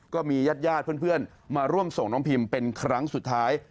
ก็มีญาติญาติเพื่อนมาร่วมส่งน้องพิมเป็นครั้งสุดท้าย